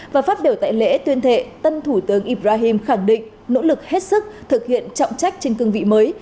và phát biểu tại lễ tuyên thệ tân thủ tướng ibrahim khẳng định nỗ lực hết sức thực hiện trọng trách trên cương vị mới